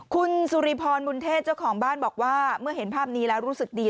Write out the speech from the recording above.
คุณสุริพรบุญเทศเจ้าของบ้านบอกว่าเมื่อเห็นภาพนี้แล้วรู้สึกดี